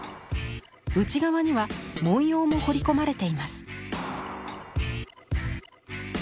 内側には文様も彫り込まれています。